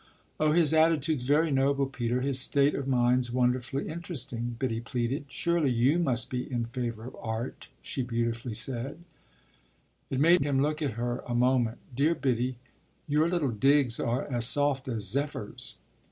"Oh his attitude's very noble, Peter; his state of mind's wonderfully interesting," Biddy pleaded. "Surely you must be in favour of art," she beautifully said. It made him look at her a moment. "Dear Biddy, your little digs are as soft as zephyrs."